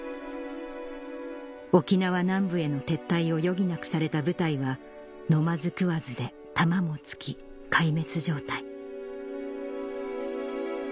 沖縄南部への撤退を余儀なくされた部隊は飲まず食わずで弾も尽き壊滅状態